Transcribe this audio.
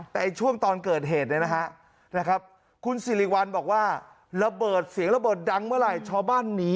แต่ช่วงตอนเกิดเหตุเนี่ยนะครับ